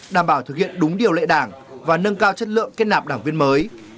đảm bảo thực hiện đúng điều lệ đảng và nâng cao chất lượng kết nạp đảng viên mới